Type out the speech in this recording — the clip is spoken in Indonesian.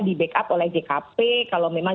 di backup oleh jkp kalau memang